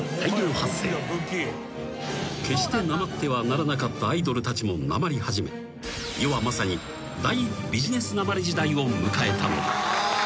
［決してなまってはならなかったアイドルたちもなまり始め世はまさに大ビジネスなまり時代を迎えたのだ］